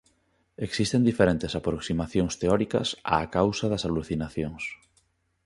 Existen diferentes aproximacións teóricas á causa das alucinacións.